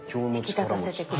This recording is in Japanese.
引き立たせてくれる。